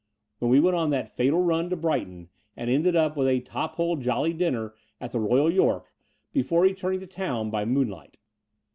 when we went on that fatal nm to Brighton and ended up with a top hole jolly dinner at the Royal York before returning to town by moonlight.